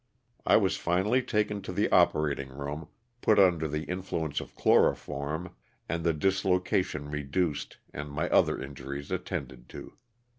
I was finally taken to the operating room, put under the influence of chloroform, and the dislocation reduced and my other injuries attended to.